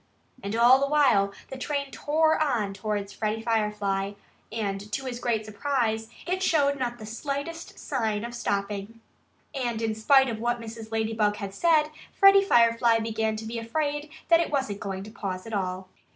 And all the while the train tore on towards Freddie Firefly. To his great surprise it showed not the slightest sign of stopping. And in spite of what Mrs. Ladybug had said, Freddie Firefly began to be afraid that it wasn't going to pause at all.